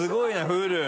フル。